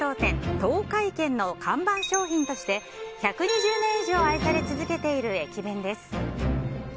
東海軒の看板商品として１２０年以上愛され続けている駅弁です。